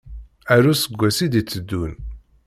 Ar useggas i d-iteddun.